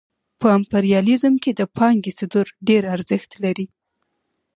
په امپریالیزم کې د پانګې صدور ډېر ارزښت لري